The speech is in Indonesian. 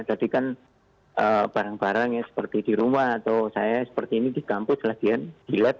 jadi kan barang barangnya seperti di rumah atau saya seperti ini di kampus lagi di lab